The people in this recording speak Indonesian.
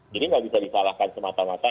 jadi tidak bisa disalahkan semata mata